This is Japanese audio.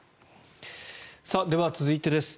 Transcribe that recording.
では、続いてです。